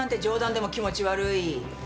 冗談でも気持ち悪い！